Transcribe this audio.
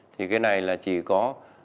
thì cái này là chỉ có